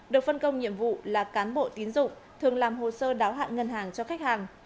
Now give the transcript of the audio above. được phân công nhiệm vụ là cán bộ tín dụng thường làm hồ sơ đáo hạn ngân hàng cho khách hàng